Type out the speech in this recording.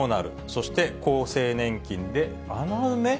そして厚生年金で穴埋め？